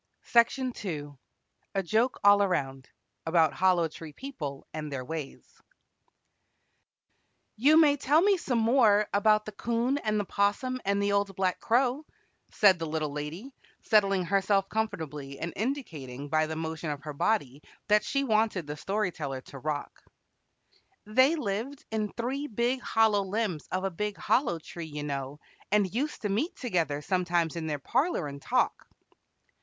She was sound asleep. A JOKE ALL AROUND ABOUT HOLLOW TREE PEOPLE AND THEIR WAYS "You may tell me some more about the 'Coon and the 'Possum and the Old Black Crow," said the Little Lady, settling herself comfortably and indicating by the motion of her body that she wanted the Story Teller to rock. "They lived in three big hollow limbs of a big hollow tree, you know, and used to meet together sometimes in their parlor and talk."